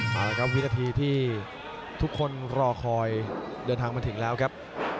เอาละครับวินาทีที่ทุกคนรอคอยเดินทางมาถึงแล้วครับ